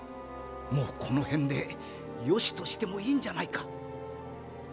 もうこの辺でよしとしてもいいんじゃないか。